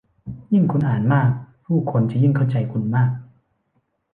ยิ่งคุณอ่านมาก ผู้คนจะยิ่งเข้าใจคุณมาก